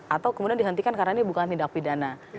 atau kemudian dihentikan karena ini bukan tindak pidana